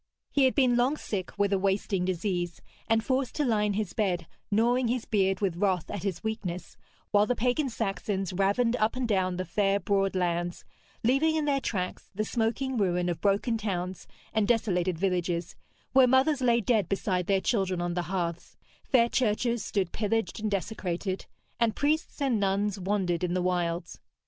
He had been long sick with a wasting disease, and forced to lie in his bed, gnawing his beard with wrath at his weakness, while the pagan Saxons ravened up and down the fair broad lands, leaving in their tracks the smoking ruin of broken towns and desolated villages, where mothers lay dead beside their children on the hearths, fair churches stood pillaged and desecrated, and priests and nuns wandered in the wilds.